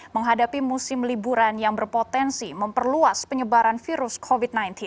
menghadapi musim liburan yang berpotensi memperluas penyebaran virus covid sembilan belas